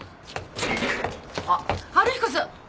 あっ春彦さん。